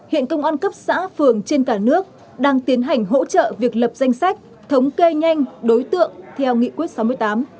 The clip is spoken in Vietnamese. hiện công an cấp xã phường trên cả nước đang tiến hành hỗ trợ việc lập danh sách thống kê nhanh đối tượng theo nghị quyết sáu mươi tám